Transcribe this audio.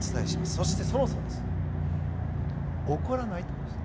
そして、そもそも怒らないということ。